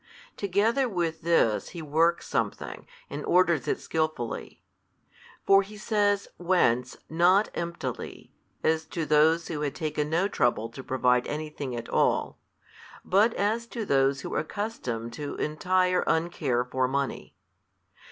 Together with this He works something, and orders it skillfully. For He |322 says Whence, not emptily, as to those who had taken no trouble to provide anything at all, but as to those who were accustomed to entire uncare for money.